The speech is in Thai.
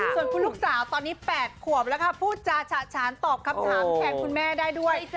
ส่วนคุณลูกสาวตอนนี้๘ขวบแล้วค่ะพูดจาฉะฉานตอบคำถามแทนคุณแม่ได้ด้วยจ้